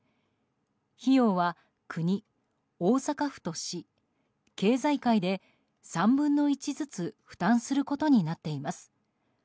費用は国、大阪府と市経済界で３分の１ずつ負担することになっています。